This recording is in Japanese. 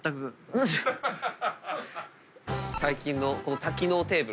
最近の多機能テーブル。